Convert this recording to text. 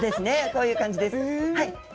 こういう感じです。